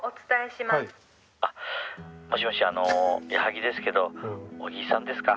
「もしもしあの矢作ですけど小木さんですか？